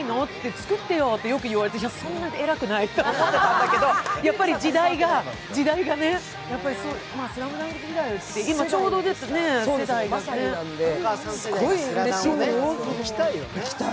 つくってよってよく言われてそんなに偉くないって思ってたんだけど、やっぱり時代がね、「ＳＬＡＭＤＵＮＫ」世代って今ちょうど世代なんで、すごいうれしいよ、行きたい。